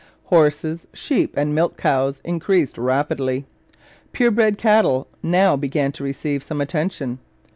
Horses, sheep and milch cows increased rapidly. Purebred cattle now began to receive some attention.